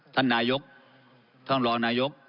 ท่านนายกท่านรองนายก